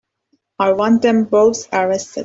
I want them both arrested.